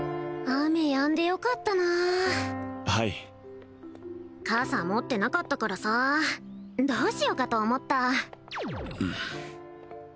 雨やんでよかったなはい傘持ってなかったからさどうしようかと思ったうん？